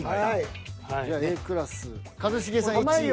クラス一茂さん１位。